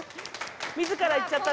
みずから言っちゃった。